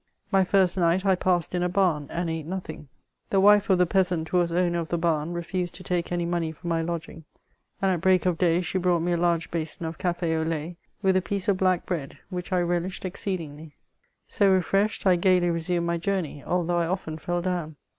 My first night I passed in a ham, and ate nothing. The wife of the peasant who was owner of the bam refused to take any money for my lodging ; and at break of day she brought me a large basin of cafe au lait, with a piece of black bread, which I relished exceedingly. So refreshed, I gaily resumed my journey, although I often fell down.